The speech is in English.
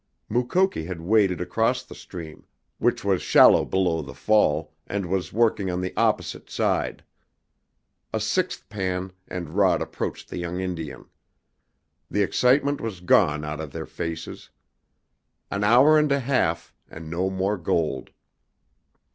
Mukoki had waded across the stream, which was shallow below the fall, and was working on the opposite side. A sixth pan, and Rod approached the young Indian. The excitement was gone out of their faces. An hour and a half and no more gold!